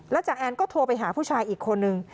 แล้วจาแอนก็โทรไปหาผู้ชายอีกคนหนึ่ง